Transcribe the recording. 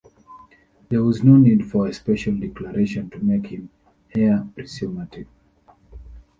There was no need for a special declaration to make him heir presumptive.